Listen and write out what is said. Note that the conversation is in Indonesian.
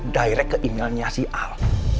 direct ke emailnya si a